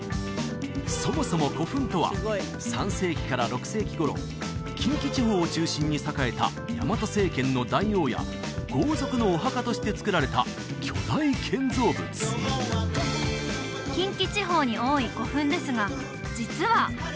そもそも古墳とは３世紀から６世紀頃近畿地方を中心に栄えた大和政権の大王や豪族のお墓としてつくられた巨大建造物近畿地方に多い古墳ですが実は！